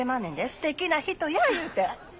すてきな人や言うて。